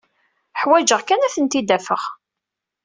Ḥwajeɣ kan ad tent-id-afeɣ.